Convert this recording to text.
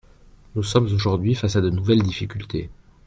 Nous sommes aujourd’hui face à de nouvelles difficultés.